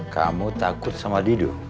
kamu takut sama didu